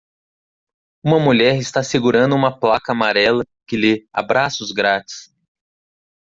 Uma mulher está segurando uma placa amarela que lê abraços grátis